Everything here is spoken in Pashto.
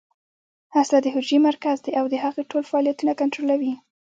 هسته د حجرې مرکز دی او د هغې ټول فعالیتونه کنټرولوي